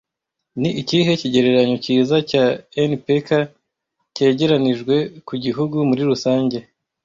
Ni ikihe kigereranyo cyiza cya NPK cyegeranijwe ku gihugu muri rusange